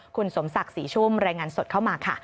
คุณสมศักดิ์ศรีชุ่มรายงานสดเข้ามาค่ะ